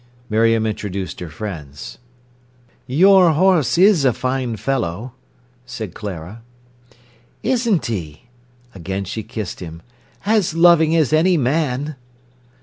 Miriam introduced her friends. "Your horse is a fine fellow!" said Clara. "Isn't he!" Again she kissed him. "As loving as any man!"